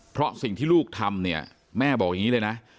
เพราะสิ่งที่ลูกทำเนี่ยแม่บอกอย่างนี้เลยนะ